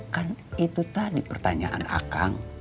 kan itu tadi pertanyaan akang